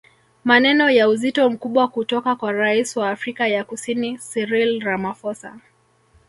Maneno ya uzito mkubwa kutoka kwa Rais wa Afrika ya Kusini Cyril Ramaphosa